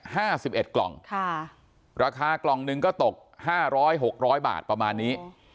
ห้าสิบเอ็ดกล่องค่ะราคากล่องหนึ่งก็ตกห้าร้อยหกร้อยบาทประมาณนี้